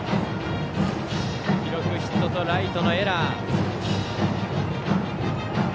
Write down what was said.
記録、ヒットとライトのエラー。